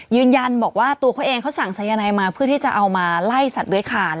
ยืนยันบอกว่าตัวเขาเองเขาสั่งสายนายมาเพื่อที่จะเอามาไล่สัตวยคาน